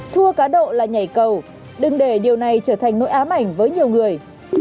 thua cá độ là nhảy cầu đừng để điều này trở thành nỗi ám ảnh với nhiều người